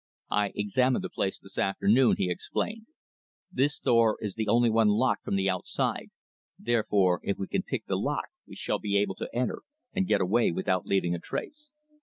"I examined the place this afternoon," he explained. "This door is the only one locked from the outside, therefore if we can pick the lock we shall be able to enter and get away without leaving a trace."